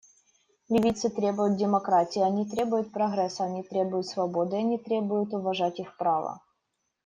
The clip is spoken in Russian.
Ливийцы требуют демократии, они требуют прогресса, они требуют свободы, они требуют уважать их права.